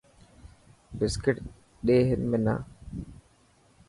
بسڪٽ ڏي حنا.